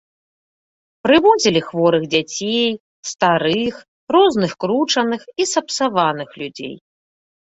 Прывозілі хворых дзяцей, старых, розных кручаных і сапсаваных людзей.